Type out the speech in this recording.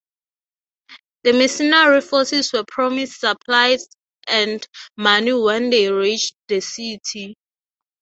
The mercenary forces were promised supplies and money when they reached the city.